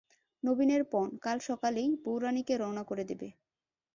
নবীনের পণ, কাল সকালেই বউরানীকে রওনা করে দেবে।